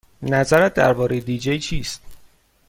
نظرت درباره دی جی چیست؟